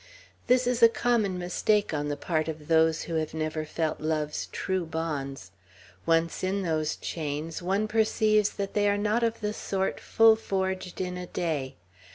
This is a common mistake on the part of those who have never felt love's true bonds. Once in those chains, one perceives that they are not of the sort full forged in a day.